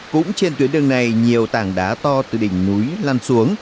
cũng trên tuyến đường này nhiều tảng đá to từ đỉnh núi lan xuống